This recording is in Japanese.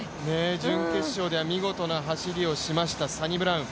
準決勝では見事な走りをしましたサニブラウン。